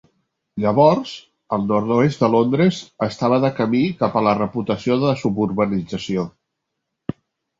Llavors, el nord-oest de Londres estava de camí cap a la reputació de suburbanització.